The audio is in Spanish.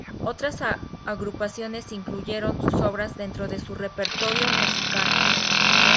Otras agrupaciones incluyeron sus obras dentro de su repertorio musical.